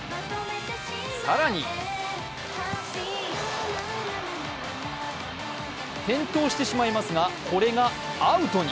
更に、転倒してしまいますがこれがアウトに。